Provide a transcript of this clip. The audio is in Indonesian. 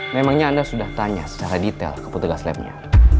memangnya anda sudah tanya secara detail ke petugas labnya